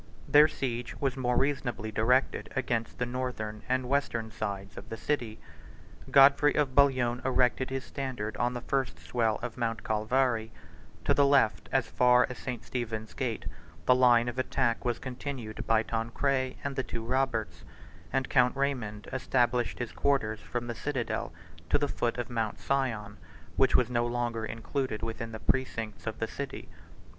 Their siege was more reasonably directed against the northern and western sides of the city. Godfrey of Bouillon erected his standard on the first swell of Mount Calvary: to the left, as far as St. Stephen's gate, the line of attack was continued by Tancred and the two Roberts; and Count Raymond established his quarters from the citadel to the foot of Mount Sion, which was no longer included within the precincts of the city.